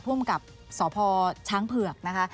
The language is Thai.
ภูมิกับสพช้างเผือกนะคะ